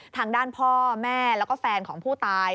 ทางด้านพ่อแม่แล้วก็แฟนของผู้ตาย